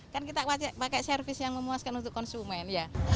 kan kita pakai servis yang memuaskan untuk konsumen